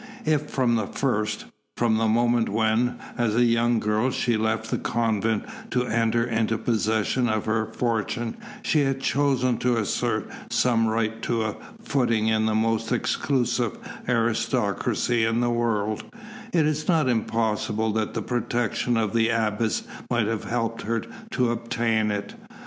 If from the first, from the moment when, as a young girl, she left the convent to enter into possession of her fortune she had chosen to assert some right to a footing in the most exclusive aristocracy in the world, it is not impossible that the protection of the Abbess might have helped her to obtain it.